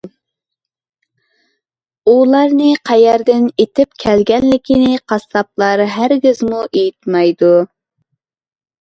ئۇلارنى قەيەردىن ئېتىپ كەلگەنلىكىنى قاسساپلار ھەرگىزمۇ ئېيتمايدۇ.